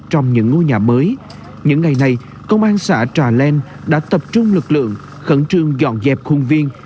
trong những ngày này công an xã trà leng đã tập trung lực lượng khẩn trương dọn dẹp khung viên